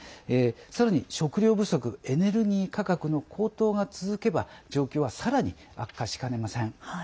さらに食糧不足エネルギー価格の高騰が続けば状況は、さらに悪化しかねません。